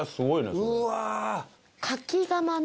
うわ。